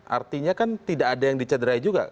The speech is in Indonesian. artinya kan tidak ada yang dicederai juga